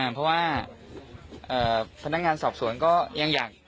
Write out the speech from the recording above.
เพราะว่าพนักงานสอบสวนก็ยังอยาก